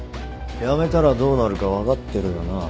辞めたらどうなるか分かってるよな？